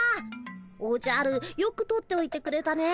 おじゃるよく取っておいてくれたね。